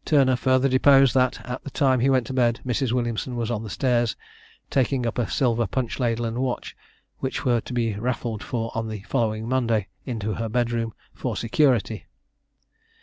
'" Turner further deposed that, at the time he went to bed, Mrs. Williamson was on the stairs, taking up a silver punch ladle and watch, which were to be raffled for on the following Monday, into her bedroom for security.